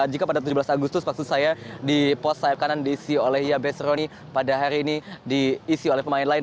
jika pada tujuh belas agustus maksud saya di pos sayap kanan diisi oleh yabes roni pada hari ini diisi oleh pemain lain